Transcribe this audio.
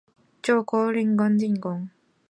如果说还有午夜的歌